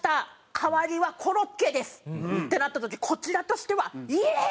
代わりはコロッケです」ってなった時こちらとしてはイエーイ！